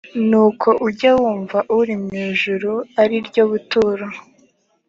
nuko ujye wumva uri mu ijuru ari ryo buturo